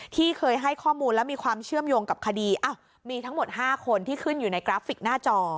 ที่เคยให้ข้อมูลและมีความเชื่อมโยงกับคดีมีทั้งหมด๕คนที่ขึ้นอยู่ในกราฟิกหน้าจอ